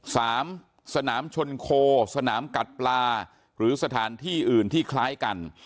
สนามชนโคสนามกัดปลาหรือสถานที่อื่นที่คล้ายกัน